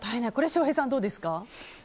翔平さんはどうですか。